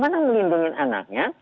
nah bagaimana melindungi anaknya